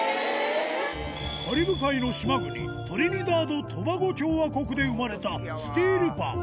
カリブ海の島国、トリニダード・トバゴ共和国で生まれたスティールパン。